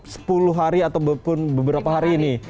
sepuluh hari ataupun beberapa hari ini